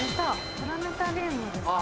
プラネタリウムですね。